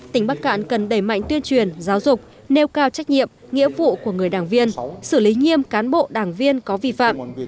tỉnh bắc cạn cần đẩy mạnh tuyên truyền giáo dục nêu cao trách nhiệm nghĩa vụ của người đảng viên xử lý nghiêm cán bộ đảng viên có vi phạm